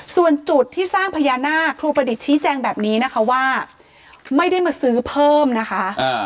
ส่วนจุดที่สร้างพญานาคครูประดิษฐ์ชี้แจงแบบนี้นะคะว่าไม่ได้มาซื้อเพิ่มนะคะ